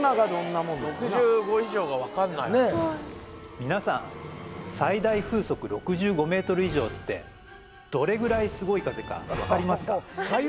みなさん最大風速６５ｍ／ｓ以上ってどれぐらいすごい風か分かりますか？